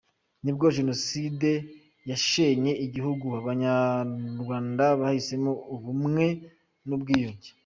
N’ubwo Jenoside yashenye igihugu, Abanyarwanda bahisemo ubumwe n’ubwiyunge.